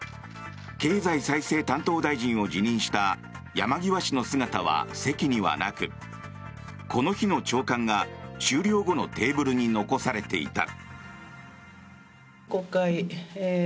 経済再生担当大臣を辞任した山際氏の姿は席にはなくこの日の朝刊が終了後のテーブルに残されていた。